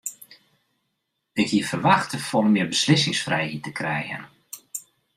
Ik hie ferwachte folle mear beslissingsfrijheid te krijen.